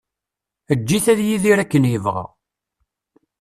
Eǧǧ-it ad yidir akken yebɣa.